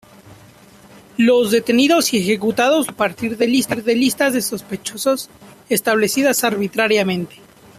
Los detenidos y ejecutados lo fueron a partir de listas de sospechosos establecidas arbitrariamente.